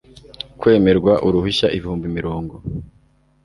kwemerwa uruhushya ibihumbi mirongo